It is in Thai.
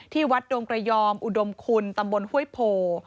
ที่วัดโดมกระยอมอุดมคุณตำบลห้วยโผล่